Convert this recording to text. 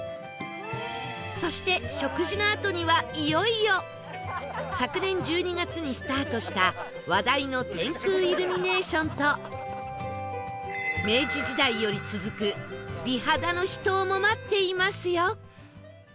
そして食事のあとにはいよいよ昨年１２月にスタートした話題の天空イルミネーションと明治時代より続く美肌の秘湯も待っていますよ！